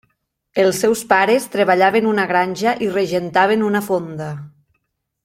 Els seus pares treballaven una granja i regentaven una fonda.